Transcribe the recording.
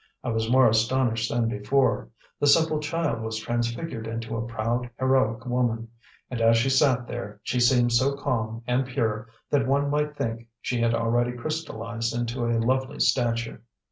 I was more astonished than before; the simple child was transfigured into a proud, heroic woman, and, as she sat there, she seemed so calm and pure, that one might think she had already crystallized into a lovely statue.